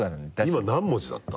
今何文字だった？